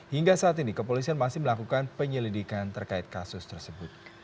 hingga saat ini kepolisian masih melakukan penyelidikan terkait kasus tersebut